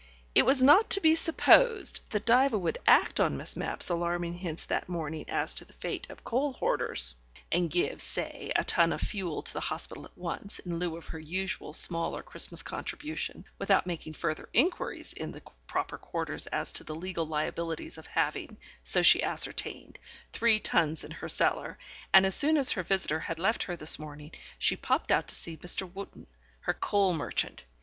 It was not to be supposed that Diva would act on Miss Mapp's alarming hints that morning as to the fate of coal hoarders, and give, say, a ton of fuel to the hospital at once, in lieu of her usual smaller Christmas contribution, without making further inquiries in the proper quarters as to the legal liabilities of having, so she ascertained, three tons in her cellar, and as soon as her visitor had left her this morning, she popped out to see Mr. Wootten, her coal merchant.